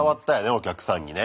お客さんにね。